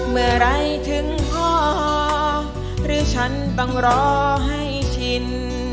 เมื่อไหร่ถึงพอหรือฉันต้องรอให้ชิน